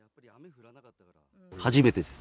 初めてです。